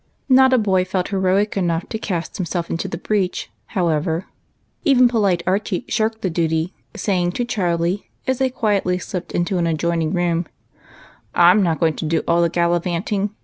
ISTot a boy felt heroic enough to cast himself into the breach, however ; even polite Archie shirked the duty, saying to Charlie, as they quietly slipped into an adjoining room, — "I'm not going to do all the gallivanting.